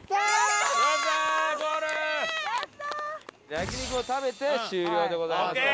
焼肉を食べて終了でございます。